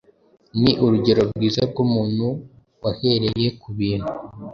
Ni urugero rwiza rw’umuntu wahereye ku bintu